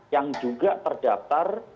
yang juga terdaftar